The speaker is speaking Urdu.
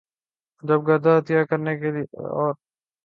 جب گردہ عطیہ کرنے اور لینے والی اداکارائیں مرتے مرتے بچیں